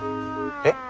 えっ。